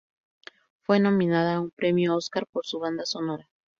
Fue nominada a un premio Óscar por su banda sonora.